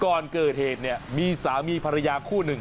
ก่อนเกิดเหตุเนี่ยมีสามีภรรยาคู่หนึ่ง